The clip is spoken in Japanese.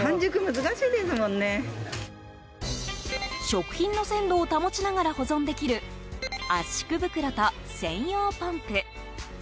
食品の鮮度を保ちながら保存できる圧縮袋と専用ポンプ。